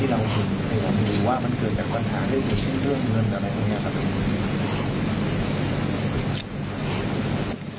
ที่เรารู้ว่ามันเกิดจากความท้ายได้เกิดขึ้นเรื่องเงินอะไรแบบนี้ครับ